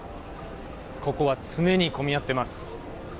ここは常に混み合っています。